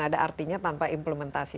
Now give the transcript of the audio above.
ada artinya tanpa implementasi